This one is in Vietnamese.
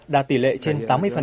đạt tỷ lệ trên tám mươi